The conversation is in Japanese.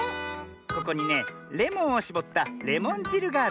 ここにねレモンをしぼったレモンじるがある。